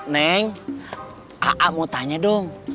neng aak mau tanya dong